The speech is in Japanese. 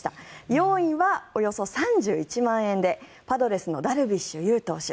４位はおよそ３１万円でパドレスのダルビッシュ有投手。